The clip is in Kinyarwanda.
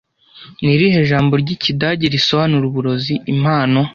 Ni irihe jambo ry'ikidage risobanura uburozi Impano